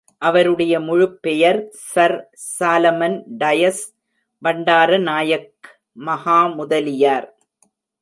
அவருடைய முழுப் பெயர், சர் சாலமன் டையஸ், பண்டார நாயக் மஹா முதலியார்!